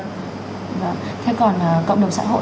thế còn cộng đồng xã hội